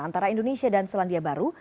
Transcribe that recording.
antara indonesia dan selandia baru